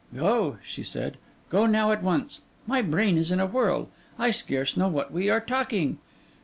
'Go!' she said. 'Go now at once. My brain is in a whirl. I scarce know what we are talking.